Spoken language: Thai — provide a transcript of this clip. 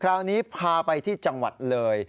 คราวนี้พาไปที่จังหวัดเลย